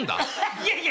いやいや。